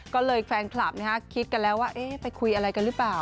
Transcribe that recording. ก็เลยแฟนคลับคิดกันแล้วว่าไปคุยอะไรกันหรือเปล่า